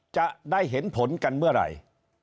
จะได้เห็นผลกันเมื่อไหร่